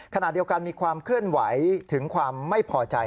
ขณะเดียวกันมีความเคลื่อนไหวถึงความไม่พอใจ